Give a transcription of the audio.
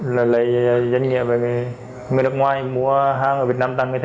lời lời dân nghĩa về người nước ngoài mua hàng ở việt nam tăng cái thế